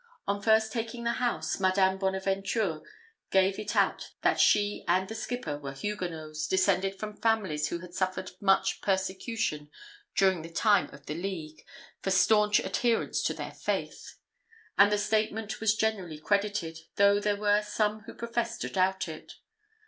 On first taking the house, Madame Bonaventure gave it out that she and the skipper were Huguenots, descended from families who had suffered much persecution during the time of the League, for staunch adherence to their faith; and the statement was generally credited, though there were some who professed to doubt it.